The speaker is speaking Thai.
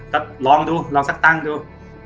ก็ลองดูลองสักตั้งดู